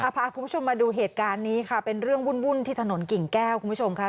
พาคุณผู้ชมมาดูเหตุการณ์นี้ค่ะเป็นเรื่องวุ่นที่ถนนกิ่งแก้วคุณผู้ชมค่ะ